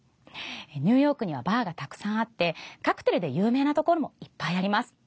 ニューヨークにはバーがたくさんあってカクテルで有名なところもいっぱいあります。